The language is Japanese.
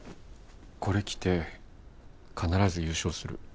これ着て必ず優勝する。